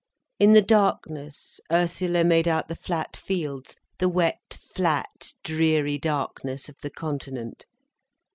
In the darkness Ursula made out the flat fields, the wet flat dreary darkness of the Continent.